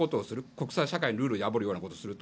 国際社会のルールを破るようなことをする。